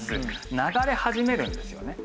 流れ始めるんですよね。